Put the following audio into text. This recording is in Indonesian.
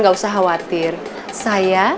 gak usah khawatir saya